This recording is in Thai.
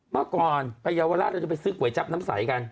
เมื่อก่อนไปเยาวราชเราจะไปซื้อก๋วยจับน้ำใสกัน